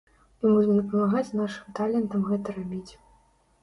І будзем дапамагаць нашым талентам гэта рабіць.